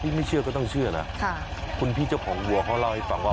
ไม่เชื่อก็ต้องเชื่อนะคุณพี่เจ้าของวัวเขาเล่าให้ฟังว่า